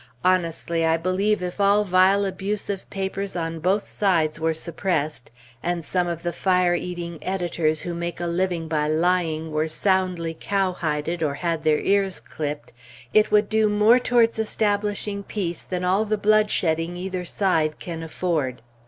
Honestly, I believe if all vile abusive papers on both sides were suppressed, and some of the fire eating editors who make a living by lying were soundly cowhided or had their ears clipped, it would do more towards establishing peace, than all the bloodshedding either side can afford.